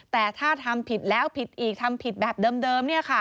แต่ถ้าทำผิดแล้วผิดอีกทำผิดแบบเดิม